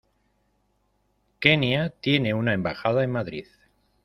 Kenia tiene una embajada en Madrid.